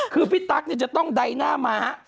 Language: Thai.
คือพี่ตั๊กจะต้องใดหน้าม้า